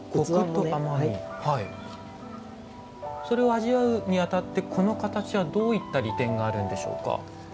それを味わうにあたってこの形はどういった利点があるんでしょうか？